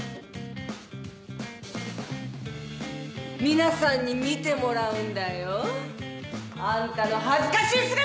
皆さんに見てもらうんだよあんたの恥ずかしい姿を！